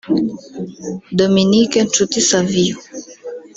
Dominique Nshuti Savio